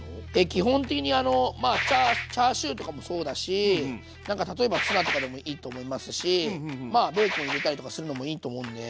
基本的にチャーシューとかもそうだし例えばツナとかでもいいと思いますしベーコン入れたりとかするのもいいと思うんで。